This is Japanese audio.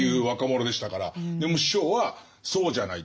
でも師匠はそうじゃないって。